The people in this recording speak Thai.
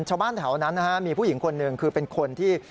ชาวบ้านแถวนั้นนะฮะมีผู้หญิงคนหนึ่งคือเป็นคนที่